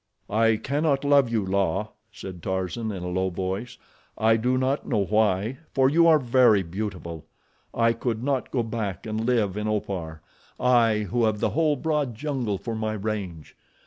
"I cannot love you, La," said Tarzan in a low voice. "I do not know why, for you are very beautiful. I could not go back and live in Opar—I who have the whole broad jungle for my range.